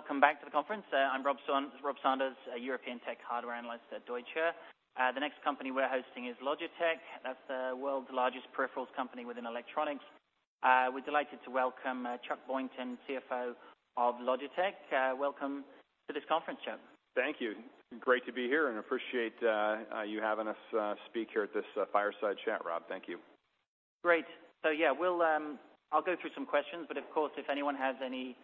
Welcome back to the conference. I'm Rob Sanders, a European tech hardware analyst at Deutsche. The next company we're hosting is Logitech. That's the world's largest peripherals company within electronics. We're delighted to welcome Chuck Boynton, CFO of Logitech. Welcome to this conference, Chuck. Thank you. Great to be here, and appreciate you having us speak here at this fireside chat, Rob. Thank you. Great. So yeah, we'll, I'll go through some questions, but of course, if anyone has any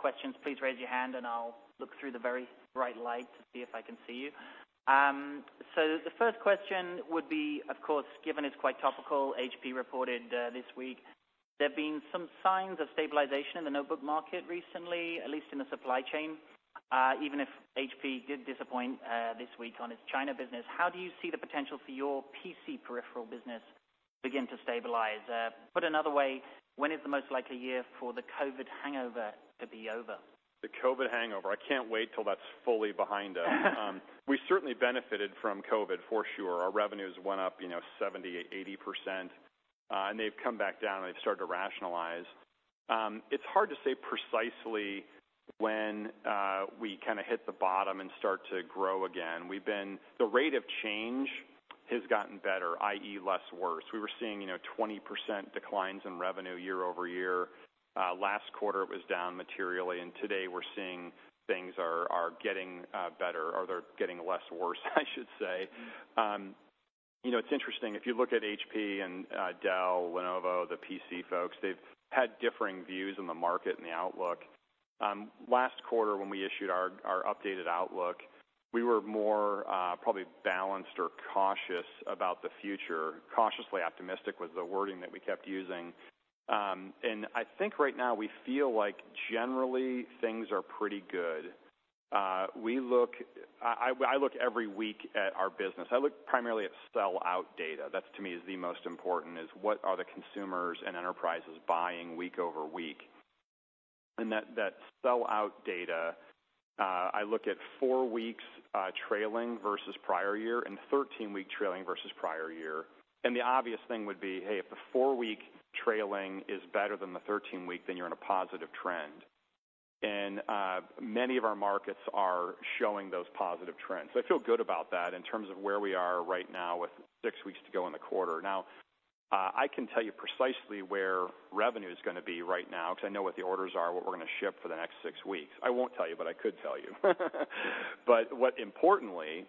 questions, please raise your hand and I'll look through the very bright light to see if I can see you. So the first question would be, of course, given it's quite topical, HP reported this week, there have been some signs of stabilization in the notebook market recently, at least in the supply chain, even if HP did disappoint this week on its China business. How do you see the potential for your PC peripheral business begin to stabilize? Put another way, when is the most likely year for the COVID hangover to be over? The COVID hangover. I can't wait till that's fully behind us. We certainly benefited from COVID, for sure. Our revenues went up, you know, 70%-80%, and they've come back down and they've started to rationalize. It's hard to say precisely when we hit the bottom and start to grow again. We've been the rate of change has gotten better, i.e., less worse. We were seeing, you know, 20% declines in revenue year-over-year. Last quarter, it was down materially, and today we're seeing things are getting better or they're getting less worse, I should say. You know, it's interesting. If you look at HP and Dell, Lenovo, the PC folks, they've had differing views on the market and the outlook. Last quarter, when we issued our updated outlook, we were more probably balanced or cautious about the future. Cautiously optimistic was the wording that we kept using. And I think right now we feel like generally, things are pretty good. I look every week at our business. I look primarily at sell-out data. That, to me, is the most important: what are the consumers and enterprises buying week-over-week? And that sell-out data, I look at four weeks trailing versus prior year and 13-week trailing versus prior year. And the obvious thing would be, hey, if the four-week trailing is better than the 13-week, then you're in a positive trend. And many of our markets are showing those positive trends. So I feel good about that in terms of where we are right now, with six weeks to go in the quarter. Now, I can tell you precisely where revenue is going to be right now, because I know what the orders are, what we're going to ship for the next six weeks. I won't tell you, but I could tell you. But what importantly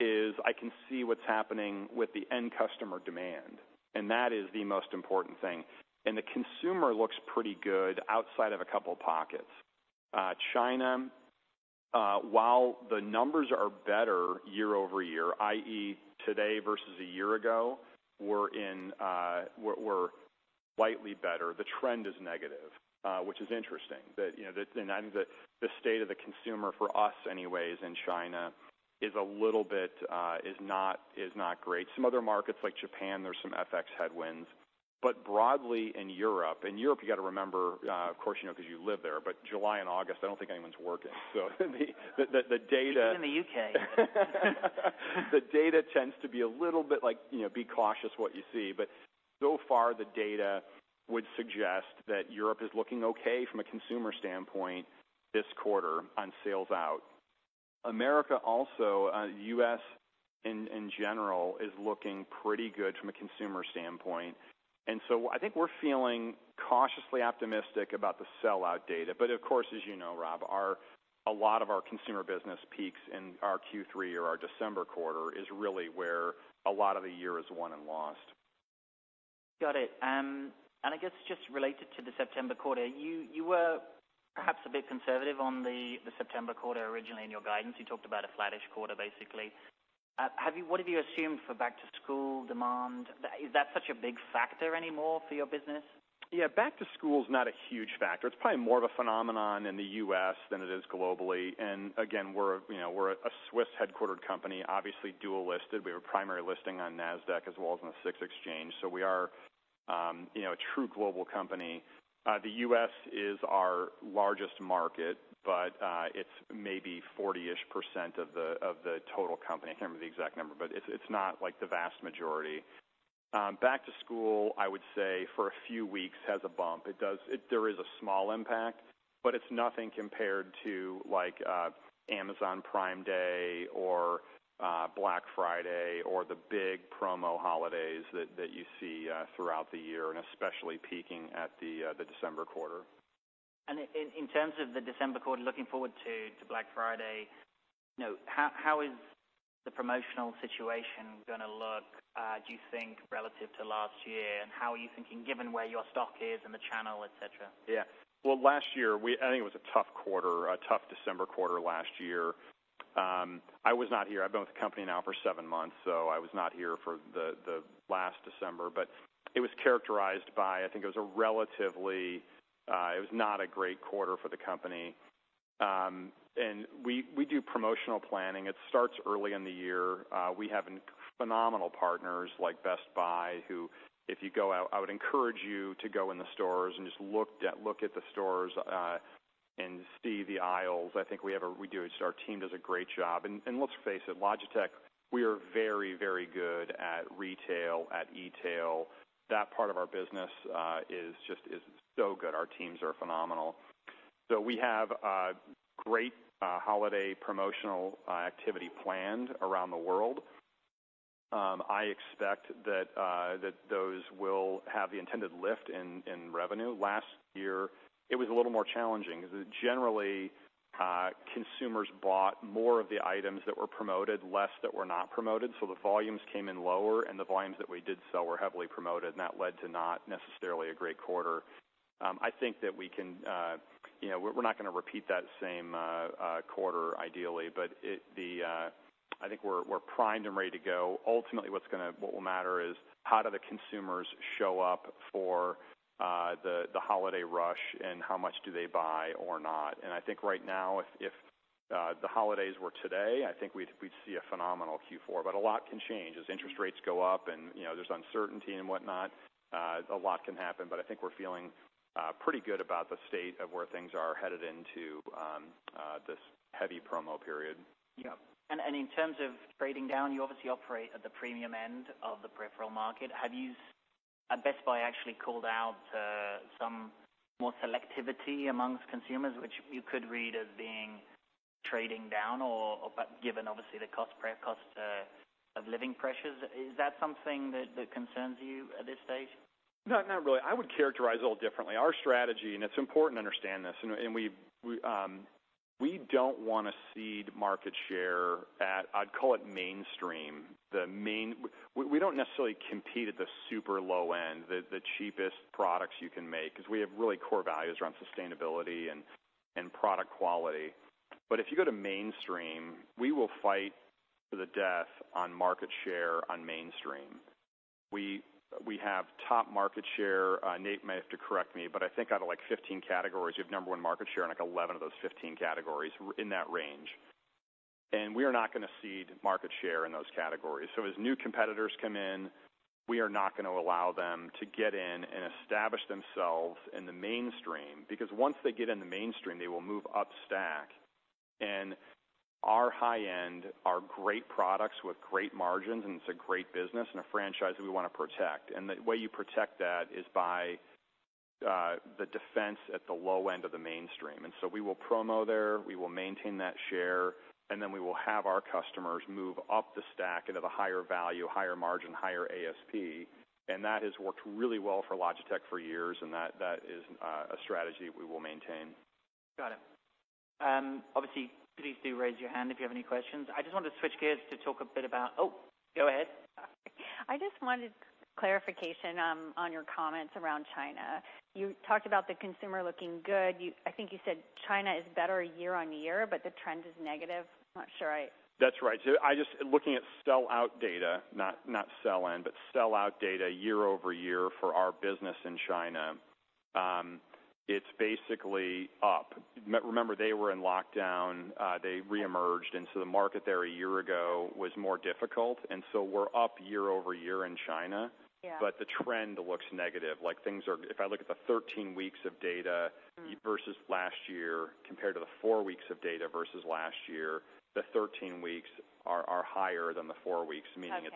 is I can see what's happening with the end customer demand, and that is the most important thing. And the consumer looks pretty good outside of a couple of pockets. China, while the numbers are better year-over-year, i.e., today versus a year ago, we're in, we're slightly better. The trend is negative, which is interesting, that, you know, that and I think that the state of the consumer, for us anyways, in China is a little bit, is not, is not great. Some other markets like Japan, there's some FX headwinds, but broadly in Europe, and Europe, you got to remember, of course, you know, because you live there, but July and August, I don't think anyone's working. So the data- In the UK. The data tends to be a little bit like, you know, be cautious what you see. But so far, the data would suggest that Europe is looking okay from a consumer standpoint this quarter on sellout. America also, US in general, is looking pretty good from a consumer standpoint. And so I think we're feeling cautiously optimistic about the sellout data. But of course, as you know, Rob, a lot of our consumer business peaks in our Q3 or our December quarter, is really where a lot of the year is won and lost. Got it. I guess just related to the September quarter, you were perhaps a bit conservative on the September quarter originally in your guidance. You talked about a flattish quarter, basically. What have you assumed for back-to-school demand? Is that such a big factor anymore for your business? Yeah, back to school is not a huge factor. It's probably more of a phenomenon in the U.S. than it is globally. And again, we're, you know, we're a Swiss-headquartered company, obviously dual-listed. We have a primary listing on Nasdaq as well as on the SIX Exchange. So we are, you know, a true global company. The U.S. is our largest market, but, it's maybe 40-ish% of the total company. I can't remember the exact number, but it's, it's not like the vast majority. Back to school, I would say, for a few weeks, has a bump. It does. There is a small impact, but it's nothing compared to like, Amazon Prime Day or, Black Friday, or the big promo holidays that, that you see, throughout the year, and especially peaking at the, the December quarter. In terms of the December quarter, looking forward to Black Friday, you know, how is the promotional situation going to look, do you think, relative to last year? And how are you thinking, given where your stock is in the channel, et cetera? Yeah. Well, last year, I think it was a tough quarter, a tough December quarter last year. I was not here. I've been with the company now for seven months, so I was not here for the last December, but it was characterized by, I think it was a relatively, it was not a great quarter for the company. And we do promotional planning. It starts early in the year. We have phenomenal partners like Best Buy, who, if you go out, I would encourage you to go in the stores and just look at the stores and see the aisles. I think we have. We do, our team does a great job. And let's face it, Logitech, we are very, very good at retail, at e-tail. That part of our business is just so good. Our teams are phenomenal. So we have great holiday promotional activity planned around the world. I expect that those will have the intended lift in revenue. Last year, it was a little more challenging. Generally, consumers bought more of the items that were promoted, less that were not promoted, so the volumes came in lower, and the volumes that we did sell were heavily promoted, and that led to not necessarily a great quarter. I think that we can, you know, we're not going to repeat that same quarter, ideally, but I think we're primed and ready to go. Ultimately, what will matter is, how do the consumers show up for the holiday rush, and how much do they buy or not? And I think right now, if the holidays were today, I think we'd see a phenomenal Q4. But a lot can change. As interest rates go up and, you know, there's uncertainty and whatnot, a lot can happen. But I think we're feeling pretty good about the state of where things are headed into this heavy promo period. Yeah. And in terms of trading down, you obviously operate at the premium end of the peripheral market. Have you, Best Buy actually called out some more selectivity among consumers, which you could read as being trading down or, but given obviously, the cost-of-living pressures. Is that something that concerns you at this stage? No, not really. I would characterize it a little differently. Our strategy, and it's important to understand this, and we don't want to cede market share at, I'd call it mainstream. We don't necessarily compete at the super low end, the cheapest products you can make, because we have really core values around sustainability and product quality. But if you go to mainstream, we will fight to the death on market share on mainstream. We have top market share. Nate may have to correct me, but I think out of like 15 categories, we have number one market share in like 11 of those 15 categories, in that range. And we are not going to cede market share in those categories. So as new competitors come in, we are not going to allow them to get in and establish themselves in the mainstream, because once they get in the mainstream, they will move up stack. And our high-end are great products with great margins, and it's a great business and a franchise we want to protect. And the way you protect that is by the defense at the low end of the mainstream. And so we will promo there, we will maintain that share, and then we will have our customers move up the stack into the higher value, higher margin, higher ASP. And that has worked really well for Logitech for years, and that, that is a strategy we will maintain. Got it. Obviously, please do raise your hand if you have any questions. I just wanted to switch gears to talk a bit about... Oh, go ahead. I just wanted clarification on your comments around China. You talked about the consumer looking good. I think you said China is better year on year, but the trend is negative. I'm not sure I- That's right. So, just looking at sell-out data, not, not sell-in, but sell-out data year-over-year for our business in China, it's basically up. Remember, they were in lockdown, they reemerged, and so the market there a year ago was more difficult, and so we're up year-over-year in China. Yeah. But the trend looks negative. Like, things are— If I look at the 13 weeks of data- Mm. -versus last year, compared to the four weeks of data versus last year, the 13 weeks are higher than the four weeks. Okay. Meaning,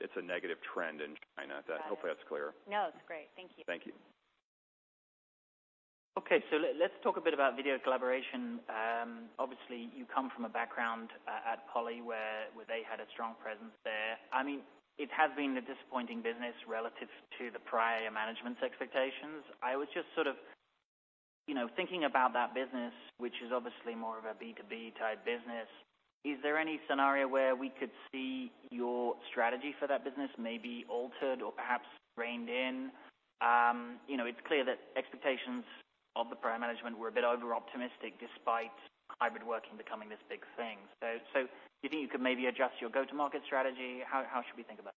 it's a negative trend in China. Got it. Hopefully, that's clear. No, it's great. Thank you. Thank you. Okay, so let's talk a bit about video collaboration. Obviously, you come from a background at Poly, where they had a strong presence there. I mean, it has been a disappointing business relative to the prior management's expectations. I was just sort of, you know, thinking about that business, which is obviously more of a B2B type business. Is there any scenario where we could see your strategy for that business may be altered or perhaps reined in? You know, it's clear that expectations of the prior management were a bit overoptimistic, despite hybrid working becoming this big thing. So, do you think you could maybe adjust your go-to-market strategy? How should we think about that?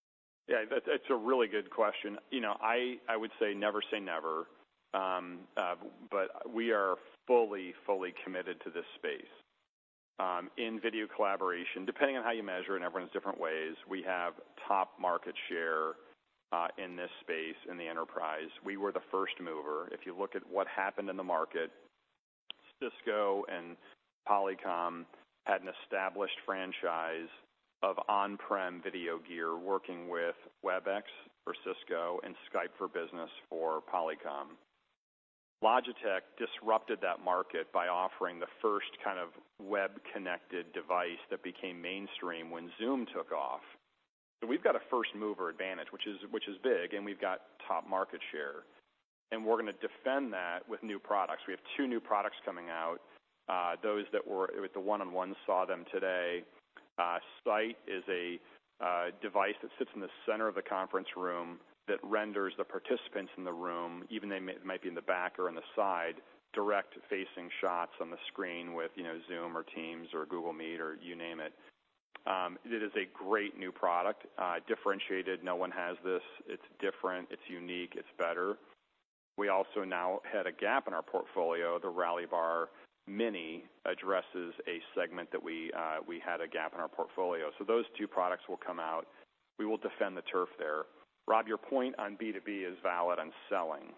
Yeah, that's a really good question. You know, I would say never say never, but we are fully committed to this space. In video collaboration, depending on how you measure, and everyone's different ways, we have top market share in this space in the enterprise. We were the first mover. If you look at what happened in the market, Cisco and Polycom had an established franchise of on-prem video gear working with Webex for Cisco and Skype for Business for Polycom. Logitech disrupted that market by offering the first kind of web-connected device that became mainstream when Zoom took off. So we've got a first-mover advantage, which is big, and we've got top market share, and we're going to defend that with new products. We have two new products coming out. Those that were with the one-on-one saw them today. Sight is a device that sits in the center of the conference room that renders the participants in the room, even they might be in the back or on the side, direct facing shots on the screen with, you know, Zoom or Teams or Google Meet or you name it. It is a great new product, differentiated. No one has this. It's different, it's unique, it's better. We also now had a gap in our portfolio, the Rally Bar Mini addresses a segment that we, we had a gap in our portfolio. So those two products will come out. We will defend the turf there. Rob, your point on B2B is valid on selling.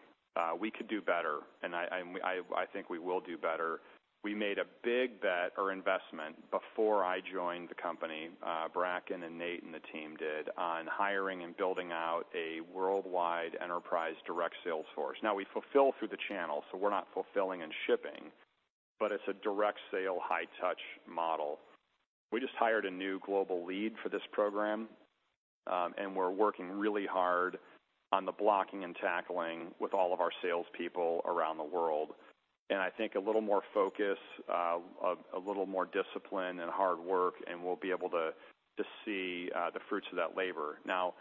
We could do better, and I think we will do better. We made a big bet or investment before I joined the company, Bracken and Nate and the team did, on hiring and building out a worldwide enterprise direct sales force. Now we fulfill through the channel, so we're not fulfilling and shipping, but it's a direct sale, high touch model. We just hired a new global lead for this program, and we're working really hard on the blocking and tackling with all of our salespeople around the world. And I think a little more focus, a little more discipline and hard work, and we'll be able to, to see, the fruits of that labor. Now,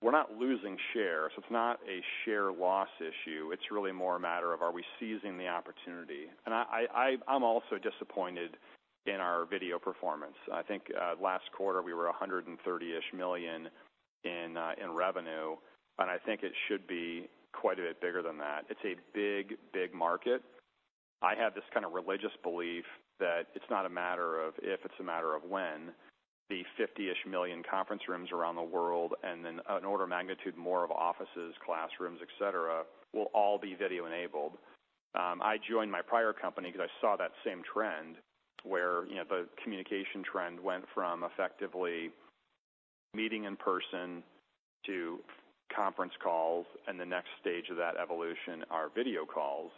we're not losing share, so it's not a share loss issue. It's really more a matter of, are we seizing the opportunity? And I'm also disappointed in our video performance. I think last quarter, we were $130-ish million in revenue, and I think it should be quite a bit bigger than that. It's a big, big market. I have this kind of religious belief that it's not a matter of if, it's a matter of when, the 50-ish million conference rooms around the world, and then an order of magnitude more of offices, classrooms, et cetera, will all be video-enabled. I joined my prior company because I saw that same trend, where you know, the communication trend went from effectively meeting in person to conference calls, and the next stage of that evolution are video calls.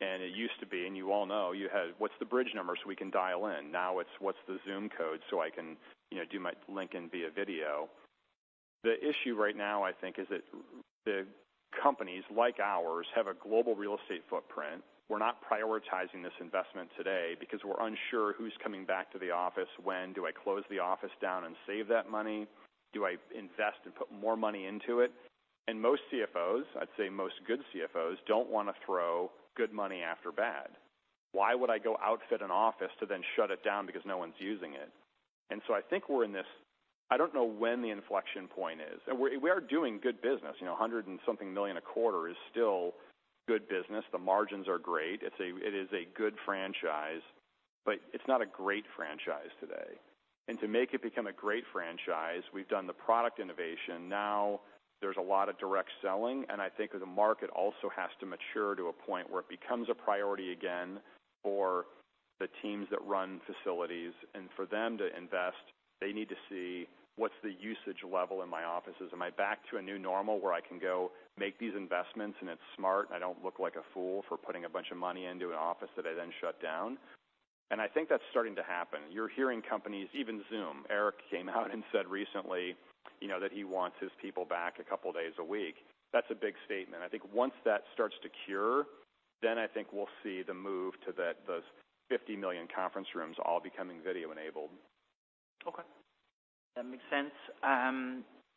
And it used to be, and you all know, you had, "What's the bridge number, so we can dial in?" Now it's: What's the Zoom code, so I can you know, do my link and via video? The issue right now, I think, is that companies like ours have a global real estate footprint. We're not prioritizing this investment today because we're unsure who's coming back to the office, when. Do I close the office down and save that money? Do I invest and put more money into it? Most CFOs, I'd say most good CFOs, don't want to throw good money after bad. Why would I go outfit an office to then shut it down because no one's using it? So I think we're in this. I don't know when the inflection point is, and we are doing good business. You know, $100-something million a quarter is still good business. The margins are great. It's a good franchise, but it's not a great franchise today. To make it become a great franchise, we've done the product innovation. Now there's a lot of direct selling, and I think the market also has to mature to a point where it becomes a priority again for the teams that run facilities. For them to invest, they need to see what's the usage level in my offices. Am I back to a new normal where I can go make these investments and it's smart, and I don't look like a fool for putting a bunch of money into an office that I then shut down? I think that's starting to happen. You're hearing companies, even Zoom. Eric came out and said recently, you know, that he wants his people back a couple of days a week. That's a big statement. I think once that starts to cure, then I think we'll see the move to those 50 million conference rooms all becoming video-enabled. Okay, that makes sense.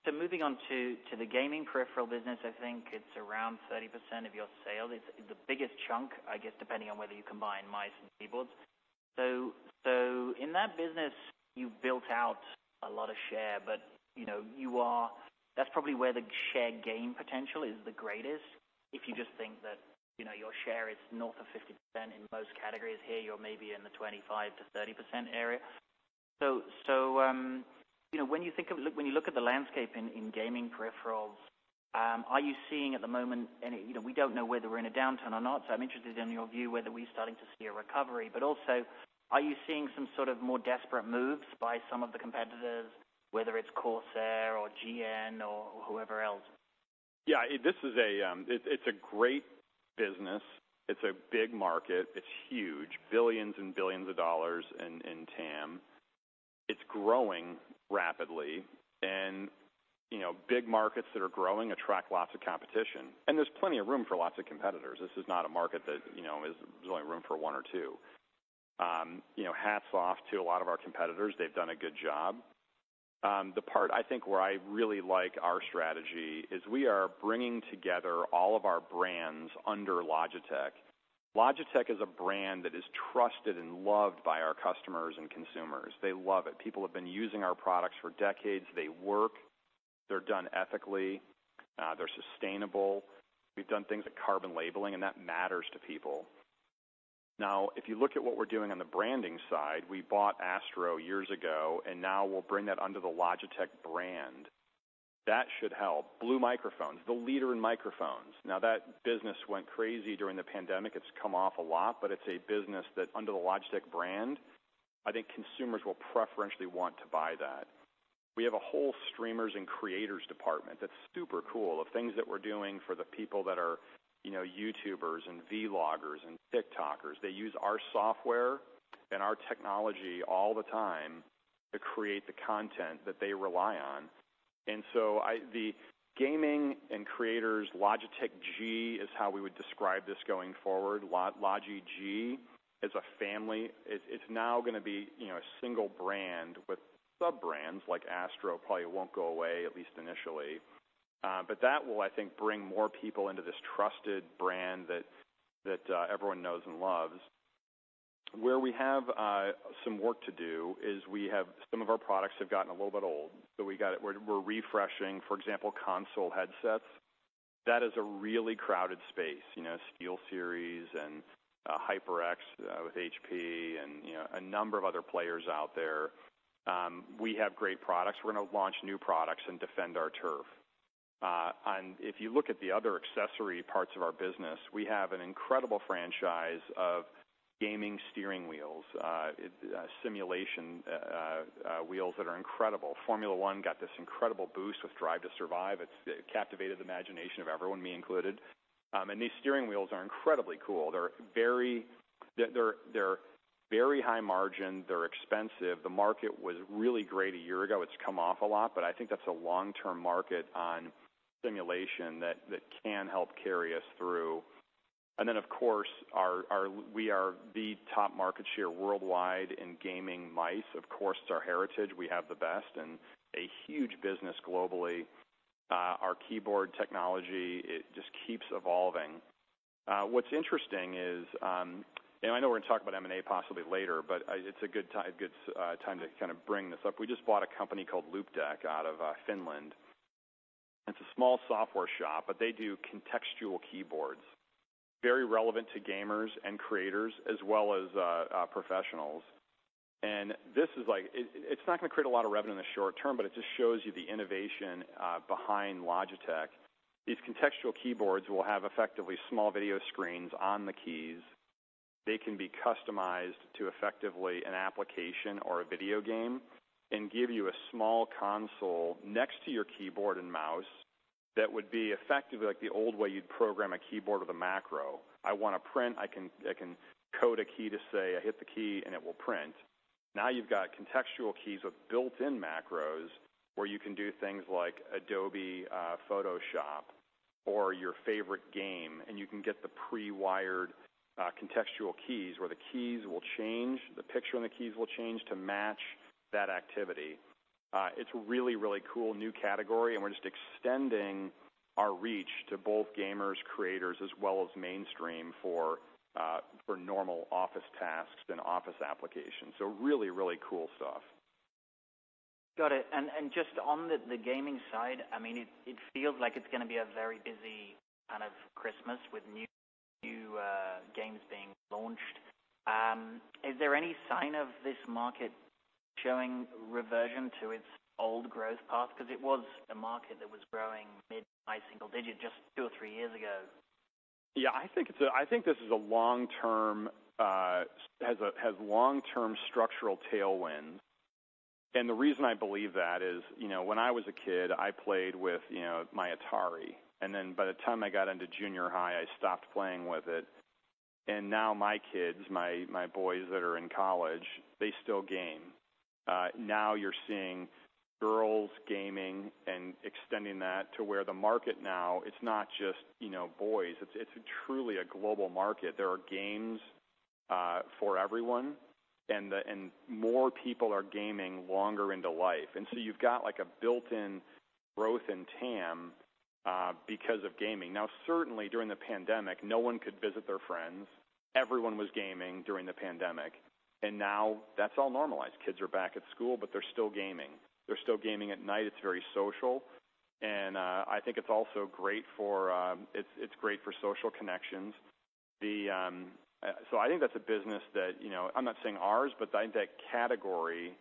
So moving on to the gaming peripheral business, I think it's around 30% of your sales. It's the biggest chunk, I guess, depending on whether you combine mice and keyboards. So in that business, you've built out a lot of share, but you know you are—that's probably where the share gain potential is the greatest. If you just think that you know your share is north of 50% in most categories here, you're maybe in the 25%-30% area. So you know when you think of—when you look at the landscape in gaming peripherals, are you seeing at the moment any... You know, we don't know whether we're in a downturn or not, so I'm interested in your view, whether we're starting to see a recovery. But also, are you seeing some sort of more desperate moves by some of the competitors, whether it's Corsair or GN or whoever else? Yeah, this is a, it's a great business. It's a big market. It's huge. Billions and billions of dollars in TAM. It's growing rapidly, and, you know, big markets that are growing attract lots of competition, and there's plenty of room for lots of competitors. This is not a market that, you know, is only room for one or two. You know, hats off to a lot of our competitors. They've done a good job. The part I think, where I really like our strategy is we are bringing together all of our brands under Logitech. Logitech is a brand that is trusted and loved by our customers and consumers. They love it. People have been using our products for decades. They work, they're done ethically, they're sustainable. We've done things like carbon labeling, and that matters to people. Now, if you look at what we're doing on the branding side, we bought Astro years ago, and now we'll bring that under the Logitech brand. That should help. Blue Microphones, the leader in microphones. Now, that business went crazy during the pandemic. It's come off a lot, but it's a business that under the Logitech brand, I think consumers will preferentially want to buy that. We have a whole streamers and creators department that's super cool. The things that we're doing for the people that are, you know, YouTubers and vloggers and TikTokers, they use our software and our technology all the time to create the content that they rely on. And so the gaming and creators, Logitech G, is how we would describe this going forward. Logi G as a family. It's now gonna be, you know, a single brand with sub-brands, like Astro, probably won't go away, at least initially. But that will, I think, bring more people into this trusted brand that everyone knows and loves. Where we have some work to do is we have some of our products have gotten a little bit old, so we're refreshing, for example, console headsets. That is a really crowded space, you know, SteelSeries and HyperX with HP and, you know, a number of other players out there. We have great products. We're going to launch new products and defend our turf. And if you look at the other accessory parts of our business, we have an incredible franchise of gaming steering wheels, simulation wheels that are incredible. Formula One got this incredible boost with Drive to Survive. It's captivated the imagination of everyone, me included. And these steering wheels are incredibly cool. They're very high margin. They're expensive. The market was really great a year ago. It's come off a lot, but I think that's a long-term market on simulation that can help carry us through. And then, of course, we are the top market share worldwide in gaming mice. Of course, it's our heritage. We have the best and a huge business globally. Our keyboard technology, it just keeps evolving. What's interesting is, and I know we're going to talk about M&A possibly later, but it's a good time to kind of bring this up. We just bought a company called Loupedeck out of Finland. It's a small software shop, but they do contextual keyboards, very relevant to gamers and creators as well as professionals. And this is like... It's not going to create a lot of revenue in the short term, but it just shows you the innovation behind Logitech. These contextual keyboards will have effectively small video screens on the keys. They can be customized to effectively an application or a video game and give you a small console next to your keyboard and mouse that would be effectively like the old way you'd program a keyboard with a macro. I want to print, I can code a key to say, I hit the key and it will print. Now you've got contextual keys with built-in macros, where you can do things like Adobe Photoshop or your favorite game, and you can get the pre-wired contextual keys, where the keys will change, the picture on the keys will change to match that activity. It's a really, really cool new category, and we're just extending our reach to both gamers, creators, as well as mainstream for normal office tasks and office applications. So really, really cool stuff. Got it. Just on the gaming side, I mean, it feels like it's going to be a very busy kind of Christmas with new games being launched. Is there any sign of this market showing reversion to its old growth path? Because it was a market that was growing mid-high single digit just two or three years ago. Yeah, I think it's a long-term. I think this has long-term structural tailwinds. And the reason I believe that is, you know, when I was a kid, I played with, you know, my Atari, and then by the time I got into junior high, I stopped playing with it. And now my kids, my boys that are in college, they still game. Now you're seeing girls gaming and extending that to where the market now, it's not just, you know, boys, it's truly a global market. There are games for everyone, and more people are gaming longer into life. And so you've got, like, a built-in growth in TAM because of gaming. Now, certainly during the pandemic, no one could visit their friends. Everyone was gaming during the pandemic, and now that's all normalized. Kids are back at school, but they're still gaming. They're still gaming at night. It's very social, and I think it's also great for social connections. So I think that's a business that, you know, I'm not saying ours, but I, that category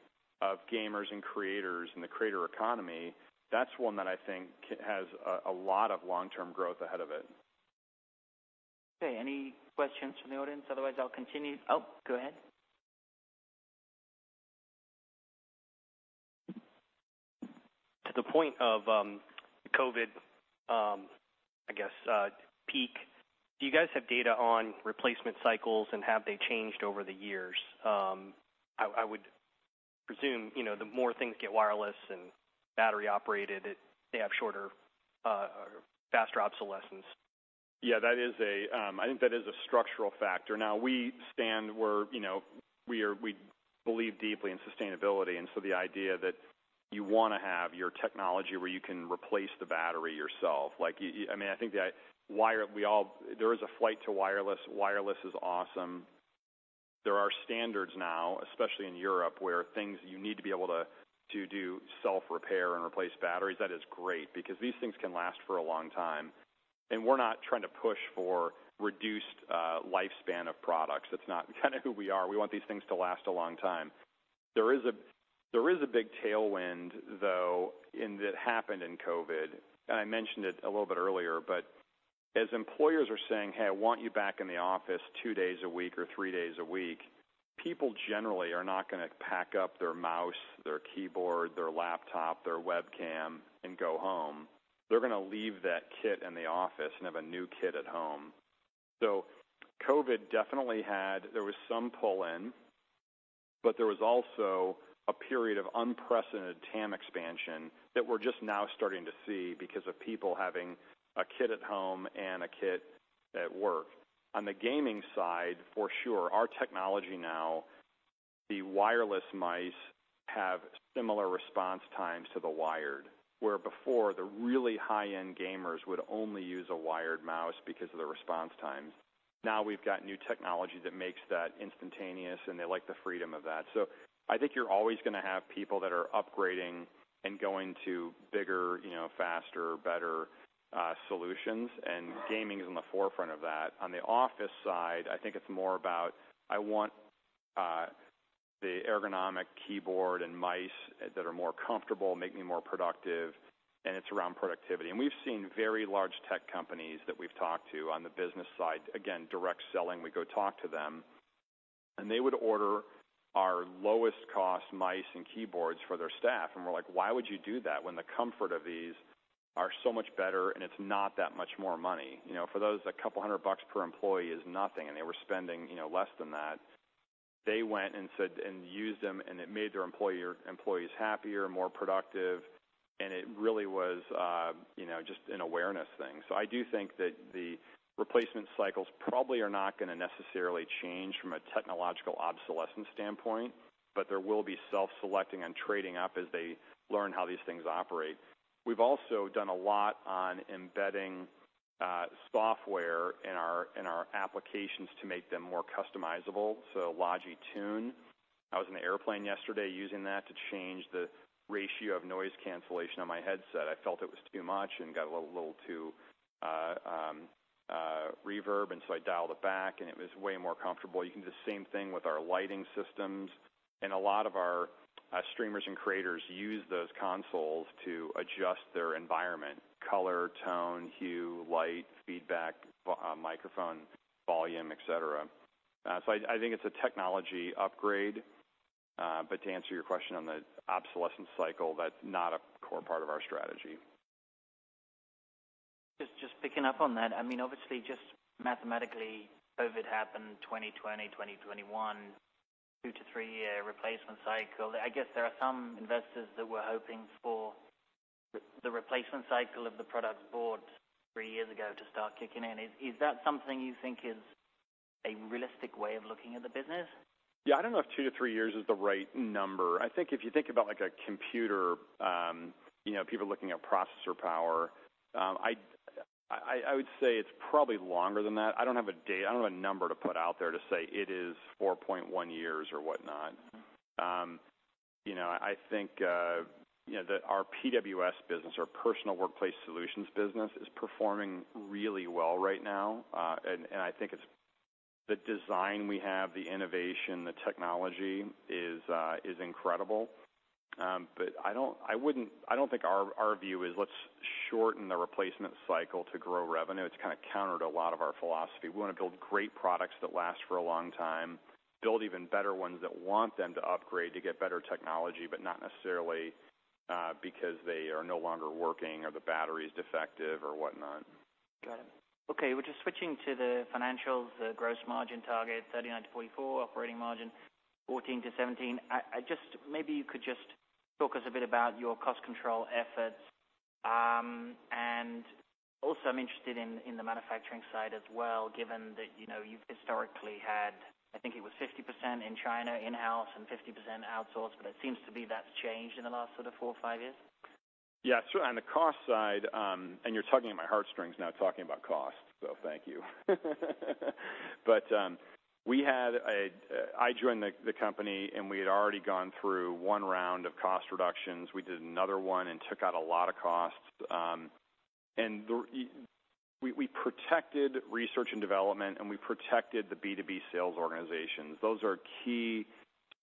of gamers and creators and the creator economy, that's one that I think has a lot of long-term growth ahead of it. Okay. Any questions from the audience? Otherwise, I'll continue. Oh, go ahead. To the point of COVID, I guess, peak, do you guys have data on replacement cycles and have they changed over the years? I would presume, you know, the more things get wireless and battery operated, they have shorter or faster obsolescence. Yeah, that is a, I think that is a structural factor. Now, we stand where, you know, we are we believe deeply in sustainability, and so the idea that you want to have your technology where you can replace the battery yourself, like, you, I mean, there is a flight to wireless. Wireless is awesome. There are standards now, especially in Europe, where things you need to be able to do self-repair and replace batteries. That is great because these things can last for a long time, and we're not trying to push for reduced lifespan of products. It's not who we are. We want these things to last a long time. There is a big tailwind, though, and it happened in COVID, and I mentioned it a little bit earlier, but as employers are saying, "Hey, I want you back in the office two days a week or three days a week," people generally are not going to pack up their mouse, their keyboard, their laptop, their webcam, and go home. They're going to leave that kit in the office and have a new kit at home. So COVID definitely had... There was some pull in, but there was also a period of unprecedented TAM expansion that we're just now starting to see because of people having a kit at home and a kit at work. On the gaming side, for sure, our technology now, the wireless mice have similar response times to the wired, where before, the really high-end gamers would only use a wired mouse because of the response times. Now we've got new technology that makes that instantaneous, and they like the freedom of that. So I think you're always going to have people that are upgrading and going to bigger, you know, faster, better solutions, and gaming is in the forefront of that. On the office side, I think it's more about the ergonomic keyboard and mice that are more comfortable, make me more productive, and it's around productivity. And we've seen very large tech companies that we've talked to on the business side. Again, direct selling, we go talk to them, and they would order our lowest cost mice and keyboards for their staff, and we're like, "Why would you do that when the comfort of these are so much better and it's not that much more money?" You know, for those, $200 per employee is nothing, and they were spending, you know, less than that. They went and said and used them, and it made their employees happier, more productive, and it really was, you know, just an awareness thing. So I do think that the replacement cycles probably are not gonna necessarily change from a technological obsolescence standpoint, but there will be self-selecting and trading up as they learn how these things operate. We've also done a lot on embedding software in our applications to make them more customizable, so Logi Tune. I was in an airplane yesterday using that to change the ratio of noise cancellation on my headset. I felt it was too much and got a little too reverb, and so I dialed it back, and it was way more comfortable. You can do the same thing with our lighting systems, and a lot of our streamers and creators use those consoles to adjust their environment, color, tone, hue, light, feedback, microphone volume, et cetera. So I think it's a technology upgrade. But to answer your question on the obsolescence cycle, that's not a core part of our strategy. Just picking up on that, I mean, obviously, just mathematically, COVID happened 2020, 2021, two-three-year replacement cycle. I guess there are some investors that were hoping for the replacement cycle of the products bought three years ago to start kicking in. Is that something you think is a realistic way of looking at the business? Yeah, I don't know if two-three years is the right number. I think if you think about, like, a computer, you know, people looking at processor power, I would say it's probably longer than that. I don't have a date. I don't have a number to put out there to say it is 4.1 years or whatnot. You know, I think, you know, that our PWS business, our Personal Workplace Solutions business, is performing really well right now. And I think it's the design we have, the innovation, the technology is, is incredible. But I don't—I wouldn't—I don't think our, our view is let's shorten the replacement cycle to grow revenue. It's kind of counter to a lot of our philosophy. We want to build great products that last for a long time, build even better ones that want them to upgrade, to get better technology, but not necessarily, because they are no longer working, or the battery is defective, or whatnot. Got it. Okay, we're just switching to the financials, the gross margin target, 39%-44%, operating margin, 14%-17%. I just... Maybe you could just talk us a bit about your cost control efforts. And also I'm interested in the manufacturing side as well, given that, you know, you've historically had, I think it was 50% in China, in-house, and 50% outsourced, but it seems to be that's changed in the last sort of four or five years. Yeah, sure. On the cost side, and you're tugging at my heartstrings now, talking about cost, so thank you. But I joined the company, and we had already gone through one round of cost reductions. We did another one and took out a lot of costs. And we protected research and development, and we protected the B2B sales organizations. Those are key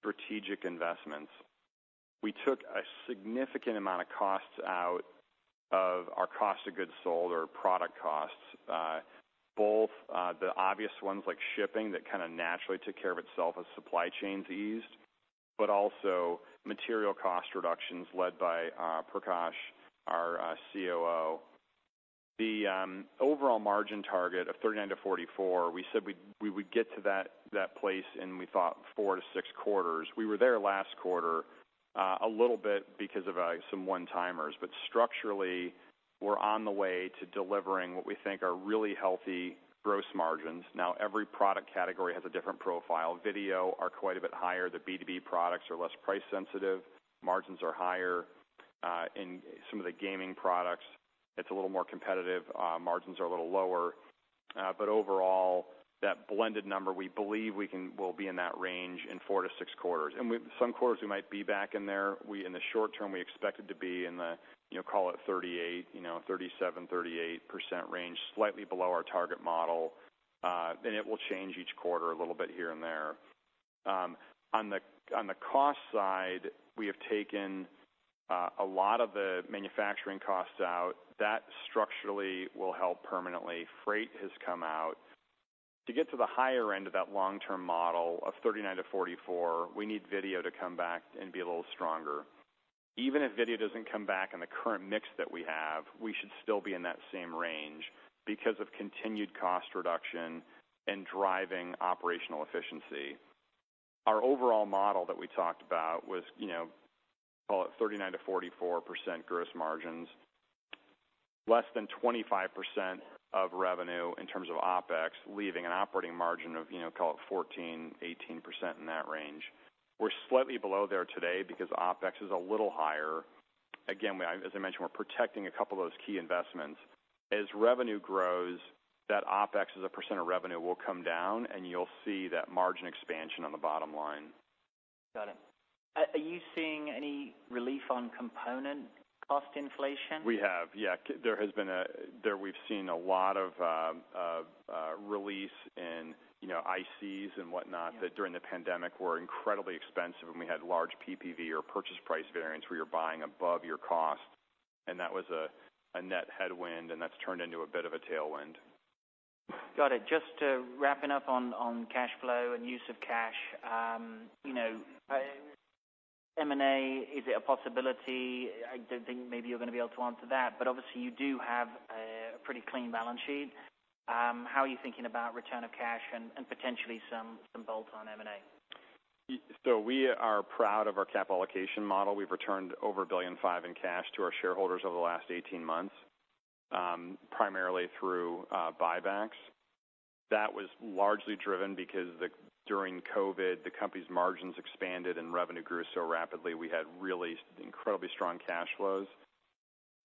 strategic investments. We took a significant amount of costs out of our cost of goods sold or product costs, both the obvious ones like shipping, that kinda naturally took care of itself as supply chains eased, but also material cost reductions led by Prakash, our COO. The overall margin target of 39%-44%, we said we would get to that place in, we thought, four-six quarters. We were there last quarter, a little bit because of, some one-timers, but structurally, we're on the way to delivering what we think are really healthy gross margins. Now, every product category has a different profile. Video are quite a bit higher. The B2B products are less price sensitive, margins are higher. In some of the gaming products, it's a little more competitive. Margins are a little lower, but overall, that blended number, we believe we can will be in that range in four-six quarters. Some quarters we might be back in there. We, in the short term, we expect it to be in the, you know, call it 38, you know, 37-38% range, slightly below our target model. And it will change each quarter a little bit here and there. On the, on the cost side, we have taken a lot of the manufacturing costs out. That structurally will help permanently. Freight has come out. To get to the higher end of that long-term model of 39-44, we need video to come back and be a little stronger. Even if video doesn't come back in the current mix that we have, we should still be in that same range because of continued cost reduction and driving operational efficiency. Our overall model that we talked about was, you know, call it 39%-44% gross margins, less than 25% of revenue in terms of OpEx, leaving an operating margin of, you know, call it 14-18% in that range. We're slightly below there today because OpEx is a little higher. Again, as I mentioned, we're protecting a couple of those key investments. As revenue grows, that OpEx as a % of revenue will come down, and you'll see that margin expansion on the bottom line.... Got it. Are you seeing any relief on component cost inflation? We have, yeah. There has been there we've seen a lot of release in, you know, ICs and whatnot, that during the pandemic were incredibly expensive, and we had large PPV or purchase price variance, where you're buying above your cost, and that was a net headwind, and that's turned into a bit of a tailwind. Got it. Just to wrapping up on cash flow and use of cash, you know, M&A, is it a possibility? I don't think maybe you're gonna be able to answer that, but obviously, you do have a pretty clean balance sheet. How are you thinking about return of cash and potentially some bolt-on M&A? So we are proud of our capital allocation model. We've returned over $1.5 billion in cash to our shareholders over the last 18 months, primarily through buybacks. That was largely driven because during COVID, the company's margins expanded and revenue grew so rapidly, we had really incredibly strong cash flows.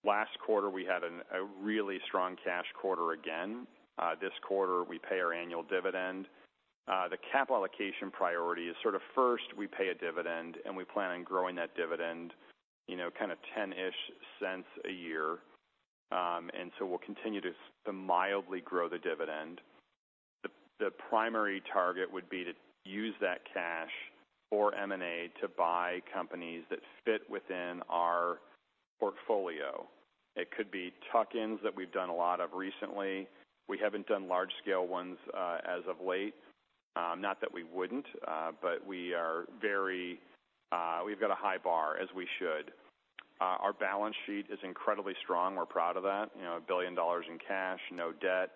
Last quarter, we had a really strong cash quarter again. This quarter, we pay our annual dividend. The capital allocation priority is sort of first, we pay a dividend, and we plan on growing that dividend, you know, kind of $0.10-ish a year. And so we'll continue to mildly grow the dividend. The primary target would be to use that cash for M&A to buy companies that fit within our portfolio. It could be tuck-ins that we've done a lot of recently. We haven't done large-scale ones as of late. Not that we wouldn't, but we are very... We've got a high bar, as we should. Our balance sheet is incredibly strong. We're proud of that. You know, $1 billion in cash, no debt,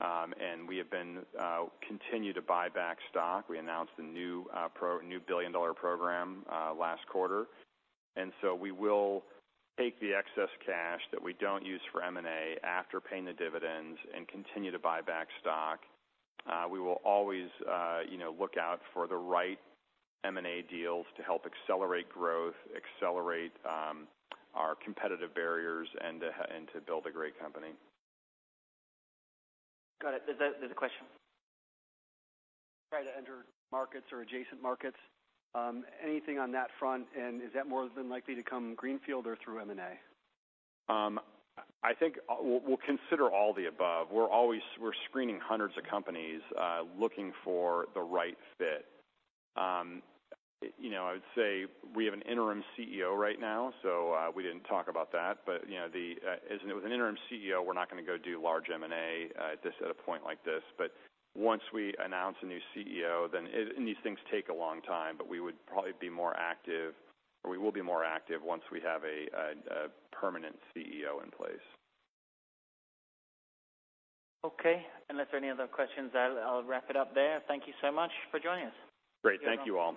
and we have been continue to buy back stock. We announced a new billion-dollar program last quarter, and so we will take the excess cash that we don't use for M&A after paying the dividends and continue to buy back stock. We will always, you know, look out for the right M&A deals to help accelerate growth, accelerate our competitive barriers and to and to build a great company. Got it. There's a question. Try to enter markets or adjacent markets, anything on that front, and is that more than likely to come greenfield or through M&A? I think we'll consider all the above. We're always screening hundreds of companies, looking for the right fit. You know, I would say we have an interim CEO right now, so we didn't talk about that, but you know, as with an interim CEO, we're not gonna go do large M&A, just at a point like this. But once we announce a new CEO, then these things take a long time, but we would probably be more active, or we will be more active once we have a permanent CEO in place. Okay. Unless there any other questions, I'll, I'll wrap it up there. Thank you so much for joining us. Great. Thank you, all.